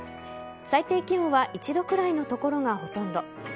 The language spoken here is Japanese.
最低気温は１度くらいの所がほとんど。